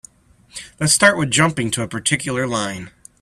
Let's start with jumping to a particular line.